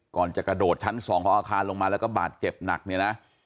ก่อนจะกระโดดชั้น๒ของอาคารลงมาแล้วก็บาดเจ็บหนักเนี่ยนะ